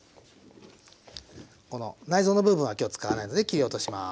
この内臓の部分は今日使わないので切り落とします。